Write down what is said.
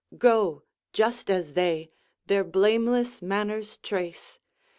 Go, just as they, their blameless manners trace!